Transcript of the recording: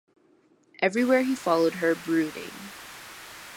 Everywhere he followed her, brooding.